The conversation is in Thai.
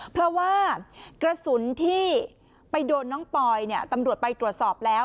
เพราะว่ากระสุนที่ไปโดนน้องปอยเนี่ยตำรวจไปตรวจสอบแล้ว